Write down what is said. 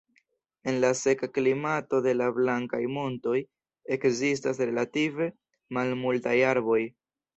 En la seka klimato de la "Blankaj montoj" ekzistas relative malmultaj arboj.